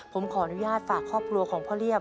ผมขออนุญาตฝากครอบครัวของพ่อเรียบ